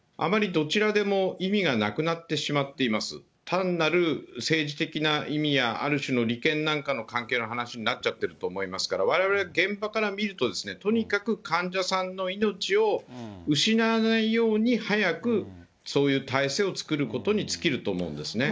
単なる政治的な意味や、ある種の利権なんかの関係の話になっちゃってると思いますから、われわれ現場から見ると、とにかく患者さんの命を失わないように、早くそういう体制を作ることに尽きると思うんですね。